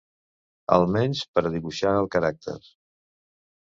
Al menys per a dibuixar el caràcter…